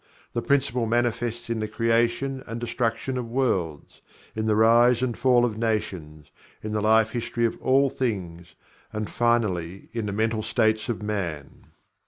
The Principle manifests in the creation and destruction of worlds; in the rise and fall of nations; in the life history of all things; and finally in the mental states of Man.